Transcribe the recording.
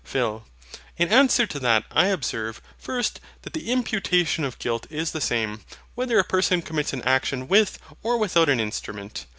PHIL. In answer to that, I observe, first, that the imputation of guilt is the same, whether a person commits an action with or without an instrument.